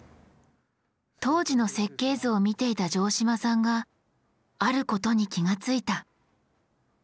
当時の設計図を見ていた城島さんがあることに気がついた。